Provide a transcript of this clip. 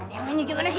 yang lainnya gimana sih